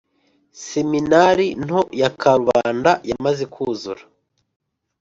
seminari nto ya karubanda yamaze kuzura